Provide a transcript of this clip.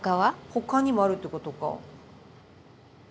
ほかにもあるっていうことか。